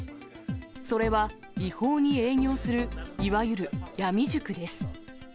それは違法に営業する、いわゆる闇塾です。